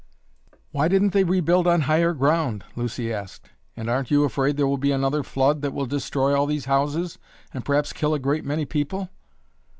"Why didn't they rebuild on higher ground?" Lucy asked. "And aren't you afraid there will be another flood that will destroy all these houses and perhaps kill a great many people?"